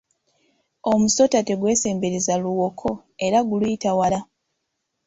Omusota tegwesembereza luwoko era guluyita wala.